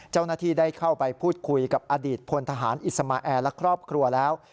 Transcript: เจ้าหน้าที่ได้เข้าไปพูดคุยกับอดีตพลทหารอิสมาแอร์และครอบครัวแล้ว